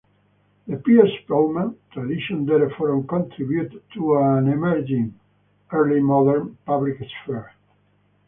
The Piers Plowman tradition therefore contributed to an emerging early modern "public sphere".